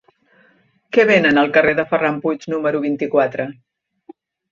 Què venen al carrer de Ferran Puig número vint-i-quatre?